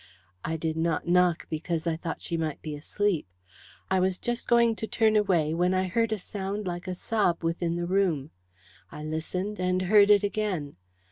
I did not knock because I thought she might be asleep. I was just going to turn away when I heard a sound like a sob within the room. I listened, and heard it again.